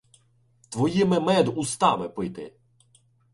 Твоїми мед устами пити!